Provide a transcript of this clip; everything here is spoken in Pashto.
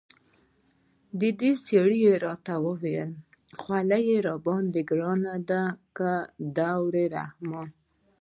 دې سره یې را ته وویل: خولي درباندې ګران دی که دوربابا.